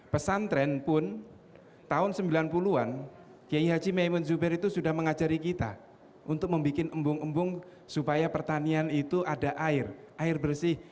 pesantren pun tahun sembilan puluh an giyaji maimon zuber itu sudah mengajari kita untuk membuat umbong umbong supaya pertanian itu ada air air bersih